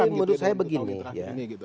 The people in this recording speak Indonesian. jadi menurut saya begini ya